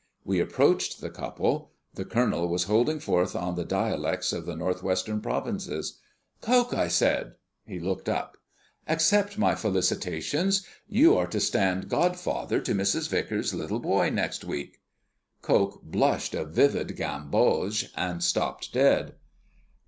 We approached the couple. The Colonel was holding forth on the dialects of the North Western Provinces. "Coke!" I said. He looked up. "Accept my felicitations. You are to stand godfather to Mrs. Vicars's little boy next week." Coke blushed a vivid gamboge, and stopped dead.